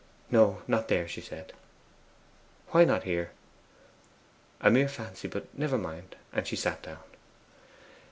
'No, not there,' she said. 'Why not here?' 'A mere fancy; but never mind.' And she sat down.